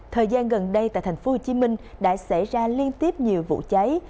thời gian gần đây tại tp hcm đã xảy ra liên tiếp nhiều vụ cháy